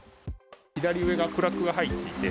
左上がクラックが入っていて、